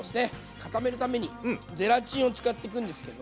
固めるためにゼラチンを使っていくんですけど。